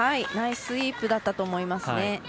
ナイススイープだったと思います。